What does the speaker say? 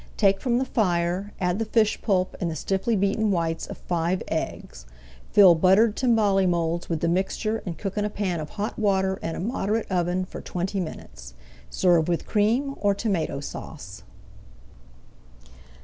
Take from the fire, add the fish pulp and the stiffly beaten whites of five eggs. Fill buttered timbale moulds with the mixture and cook in a pan of hot water in a moderate oven for twenty minutes. Serve with Cream or Tomato Sauce.